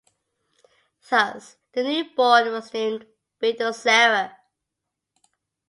Thus, the newborn was named "Bindusara".